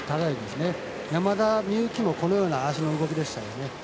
山田美幸もこのような足の動きでしたね。